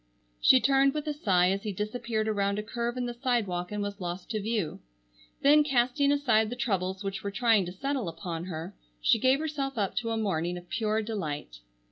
She turned with a sigh as he disappeared around a curve in the sidewalk and was lost to view. Then casting aside the troubles which were trying to settle upon her, she gave herself up to a morning of pure delight.